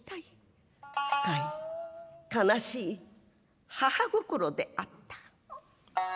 深い悲しい母心であった。